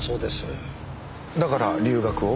だから留学を？